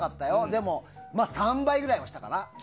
でも、３倍ぐらいはしたかな。